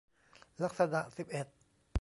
ลักษณะสิบเอ็ด